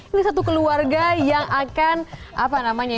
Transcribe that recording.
ini satu keluarga yang akan apa namanya